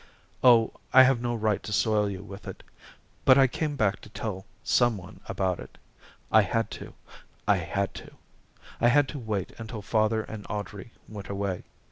"Oh, I have no right to soil you with it. But I came back to tell some one about it I had to, I had to. I had to wait until father and Audrey went away.